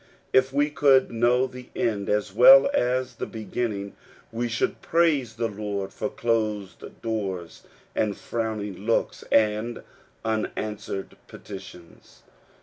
If we could know the end as well as the beginning, we should praise the Lord for closed doors, and frowning looks, and unanswered petitions.